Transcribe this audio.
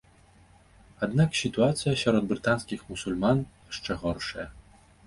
Аднак сітуацыя сярод брытанскіх мусульман яшчэ горшая.